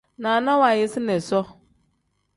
Naana waayisina isoo.